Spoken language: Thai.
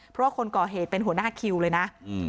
เพราะว่าคนก่อเหตุเป็นหัวหน้าคิวเลยนะ